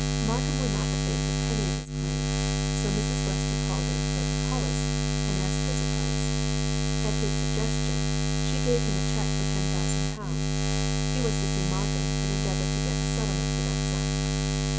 Markham would not abate a penny of his claim. So Mrs. Lester called in Frederick Hollis and asked his advice. At his suggestion she gave him a cheque for ten thousand pounds: he was to see Markham and endeavour to get a settlement for that sum.